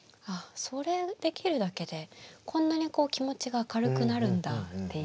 できるだけでこんなにこう気持ちが明るくなるんだっていう。